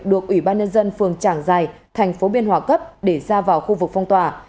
được ủy ban nhân dân phường trảng giài tp biên hòa cấp để ra vào khu vực phong tỏa